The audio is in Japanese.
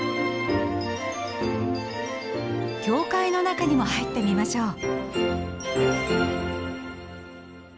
教会の中にも入ってみましょう。